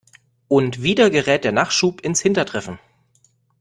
Und wieder gerät der Nachschub ins hintertreffen.